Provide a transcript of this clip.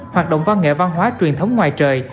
hoạt động văn nghệ văn hóa truyền thống ngoài trời